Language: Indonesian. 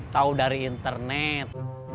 tahu dari internet